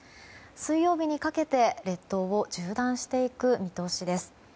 水曜日にかけて列島を縦断していく見通しです。